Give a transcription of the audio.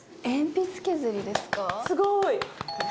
すごーい！